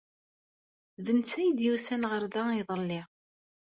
D netta ay d-yusan ɣer da iḍelli.